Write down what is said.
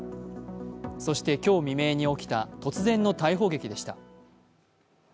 そして今日未明に起きた突然の逮捕劇でした。